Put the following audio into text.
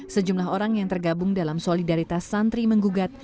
sejumlah orang yang tergabung dalam solidaritas santri menggugat